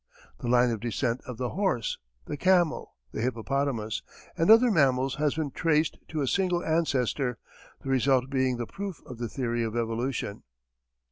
The line of descent of the horse, the camel, the hippopotamus and other mammals has been traced to a single ancestor, the result being the proof of the theory of evolution.